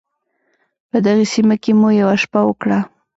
په دغې سیمه کې مو یوه شپه وکړه.